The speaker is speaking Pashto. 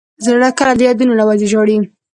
زړه کله د یادونو له وجې ژاړي.